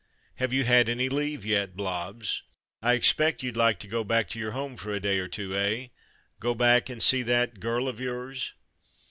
/.• Have you had any leave yet, Blobbs.? I expect you'd like to go back to your home for a day or two, eh .? Go back and see that girl of yours